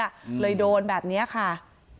อืมเลยโดนแบบเนี้ยค่ะ